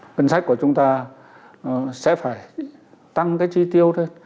ngân sách của chúng ta sẽ phải tăng cái chi tiêu lên